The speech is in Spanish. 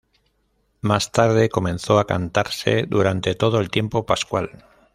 Más tarde comenzó a cantarse durante todo el tiempo pascual.